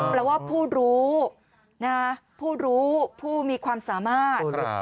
แปลว่าผู้รู้ผู้รู้ผู้มีความสามารถ